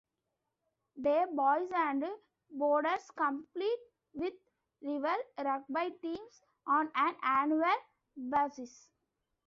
Day Boys and Boarders compete with rival rugby teams on an annual basis.